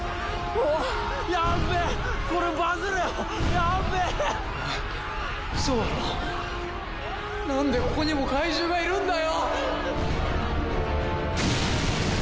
おいウソだろ何でここにも怪獣がいるんだよ！